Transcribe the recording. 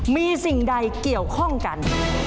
มีสิ่งใดเกี่ยวข้องกัน